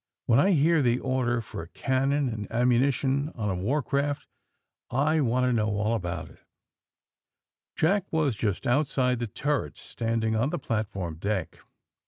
'^When I hear the order for a cannon and am munition on a war craft I want to know all about it" Jack was just outside the turret, standing on the platform deck.